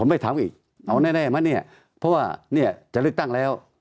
ไม่ถามอีกเอาแน่ไหมเนี่ยเพราะว่าเนี่ยจะเลือกตั้งแล้ว